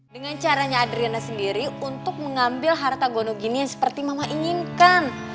dengan caranya adriana sendiri untuk mengambil harta gonogini yang seperti mama inginkan